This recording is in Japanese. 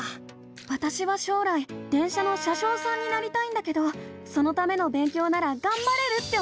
わたしは将来電車の車しょうさんになりたいんだけどそのための勉強ならがんばれるって思ったの！